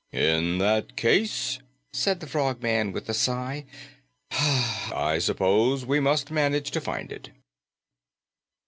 "In that case," said the Frogman with a sigh, "I suppose we must manage to find it."